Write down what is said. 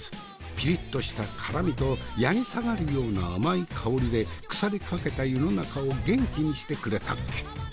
ピリッとした辛みとやに下がるような甘い香りで腐りかけた世の中を元気にしてくれたっけ。